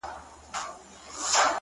ته به په فکر وې؛ چي څنگه خرابيږي ژوند؛